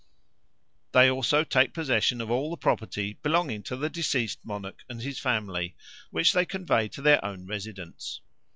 They also take possession of all the property belonging to the deceased monarch and his family, which they convey to their own residence.